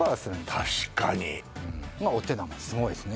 確かにっまあお手玉すごいですね